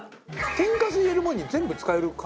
天かす入れるものに全部使える感じしますね。